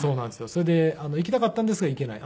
それで行きたかったんですが行けない。